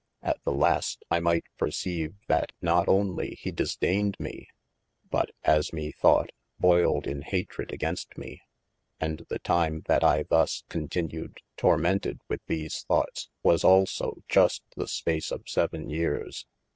At the last I might perceive that not only he disdayned me, but (as me thought) 429 THE ADVENTURES boyled in hatred against me. And the time that I thus con tinued tormented with these thoughts, was also just the space of seven yeares.